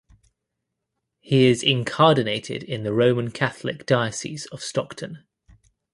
He is incardinated in the Roman Catholic Diocese of Stockton.